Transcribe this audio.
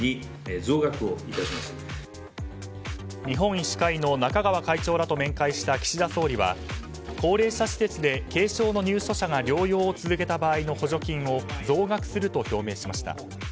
日本医師会の中川会長らと面会した岸田総理は高齢者施設で軽症の入居者が療養を続けた場合の補助金を増額すると表明しました。